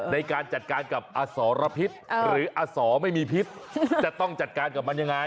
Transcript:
ในการจัดการกับอสรพิษหรืออสอไม่มีพิษจะต้องจัดการกับมันยังไง